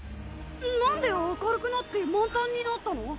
何で明るくなって満タンになったの？